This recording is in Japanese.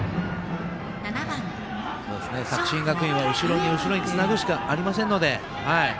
作新学院は後ろに後ろにつなげるしかありませんので。